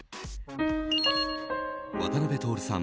渡辺徹さん